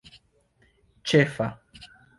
ĉefa